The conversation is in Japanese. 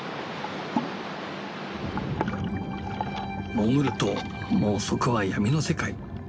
潜るともうそこは闇の世界。